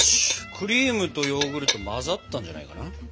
クリームとヨーグルト混ざったんじゃないかな？